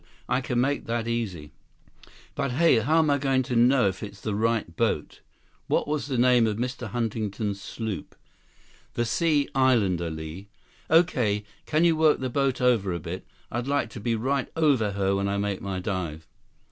I can make that easy. But, hey, how am I going to know if it's the right boat? What was the name of Mr. Huntington's sloop?" "The Sea Islander, Li." "Okay. Can you work the boat over a bit? I'd like to be right over her when I make my dive."